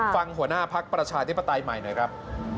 หัวหน้าภักดิ์ประชาธิปไตยใหม่หน่อยครับ